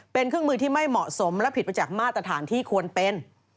เป็นเครื่องมือที่ไม่เหมาะสมและผิดไปจากมาตรฐานที่ควรเป็น